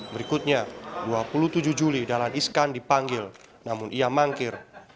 berikutnya dua puluh tujuh juli dahlan iskan dipanggil namun ia mangkir